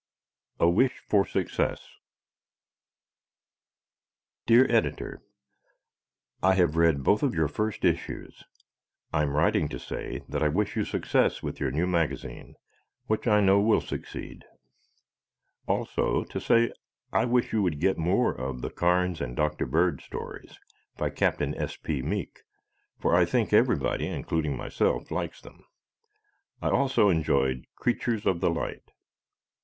A Wish for Success Dear Editor: I have read both of your first issues. I am writing to say that I wish you success with your new magazine, which I know will succeed. Also to say I wish you would get more of the "Carnes and Dr. Bird Stories" by Captain S. P. Meek, for I think everybody, including myself, likes them. I also enjoyed "Creatures of the Light."